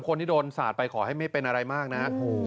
คนที่โดนสาดไปขอให้ไม่เป็นอะไรมากนะ